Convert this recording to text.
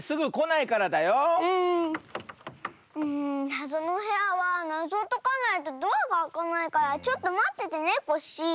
なぞのおへやはなぞをとかないとドアがあかないからちょっとまっててねコッシー。